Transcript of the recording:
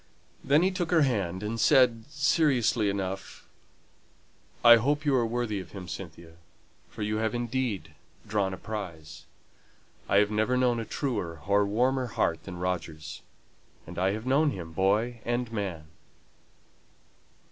Then he took her hand, and said, seriously enough, "I hope you are worthy of him, Cynthia, for you have indeed drawn a prize. I have never known a truer or warmer heart than Roger's; and I have known him boy and man."